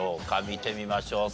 見てみましょう。